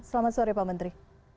selamat sore pak menteri